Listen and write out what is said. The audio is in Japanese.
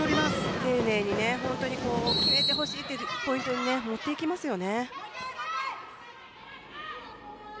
丁寧に本当に決めてほしいというポイントに持っていきますよね。